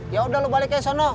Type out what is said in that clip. ya udah lo balik ke sana